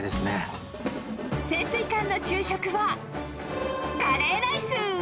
潜水艦の昼食はカレーライス